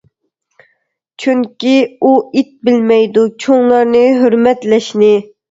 چۈنكى ئۇ ئىت بىلمەيدۇ، چوڭلارنى ھۆرمەتلەشنى.